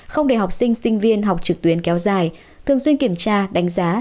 không để học sinh sinh viên học trực tuyến kéo dài thường xuyên kiểm tra đánh giá